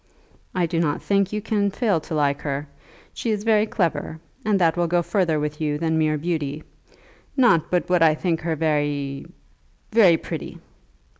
"I do not think you can fail to like her. She is very clever, and that will go further with you than mere beauty. Not but what I think her very, very pretty."